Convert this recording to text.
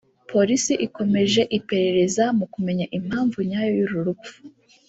Polisi ikomeje iperereza mu kumenya impamvu nyayo y’uru rupfu